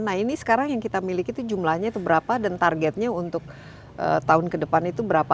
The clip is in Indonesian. nah ini sekarang yang kita miliki itu jumlahnya itu berapa dan targetnya untuk tahun ke depan itu berapa